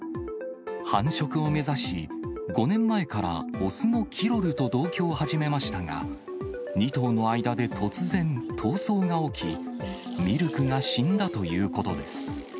繁殖を目指し、５年前から雄のキロルと同居を始めましたが、２頭の間で突然、闘争が起き、ミルクが死んだということです。